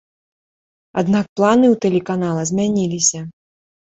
Аднак планы ў тэлеканала змяніліся.